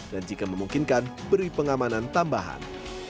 dan jika memungkinkan beri pengamanan tambahan